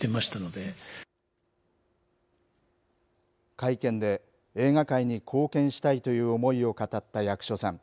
会見で、映画界に貢献したいという思いを語った役所さん。